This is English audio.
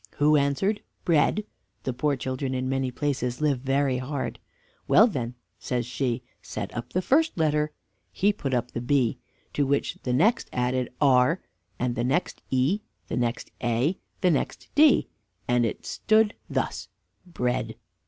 Who answered, "Bread" (the poor children in many places live very hard). "Well then," says she, "set up the first letter." He put up the B, to which the next added r, and the next e, the next a, the next d, and it stood thus, Bread.